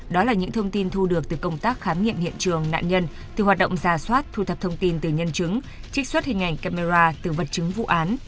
đó là những thông tin thu được từ công tác khám nghiệm hiện trường nạn nhân từ hoạt động giả soát thu thập thông tin từ nhân chứng trích xuất hình ảnh camera từ vật chứng vụ án